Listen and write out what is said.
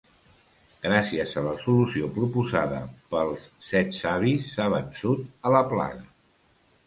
Gràcies a la solució proposada pels Set Savis s'ha vençut a la plaga.